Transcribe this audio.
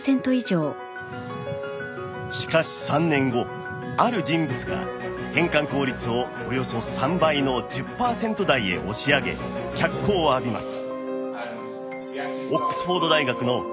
しかし３年後ある人物が変換効率をおよそ３倍の１０パーセント台へ押し上げ脚光を浴びます